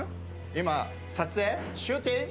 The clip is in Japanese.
今、撮影、シューティング。